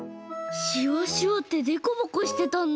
しわしわってでこぼこしてたんだ。